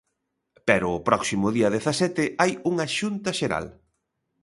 Pero o próximo día dezasete hai unha xunta xeral.